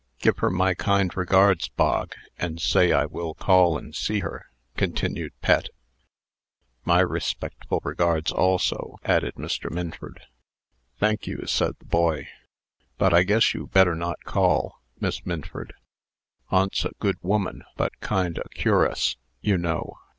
"Give her my kind regards, Bog, and say I will call and see her," continued Pet. "My respectful regards also," added Mr. Minford. "Thank you," said the boy; "but I guess you better not call, Miss Minford. Aunt's a good woman, but kind o' cur'us, you know.